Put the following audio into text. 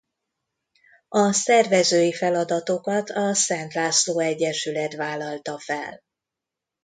A szervezői feladatokat a Szent László Egyesület vállalta fel.